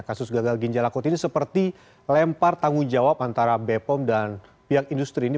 kasus gagal ginjal akut ini seperti lempar tanggung jawab antara bepom dan pihak industri ini